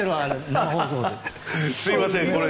すみません。